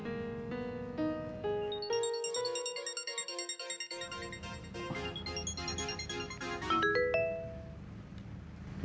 udah sadar tapi bisa ditengok